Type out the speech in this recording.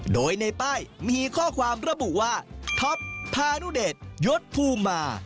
โดยในป้ายมีข้อความระบุว่าท็อปพานุเดชยศภูมิมา